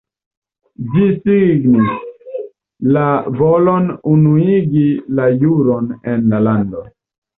Ĝi signis la volon unuigi la juron en la lando.